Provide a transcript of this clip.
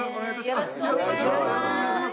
よろしくお願いします。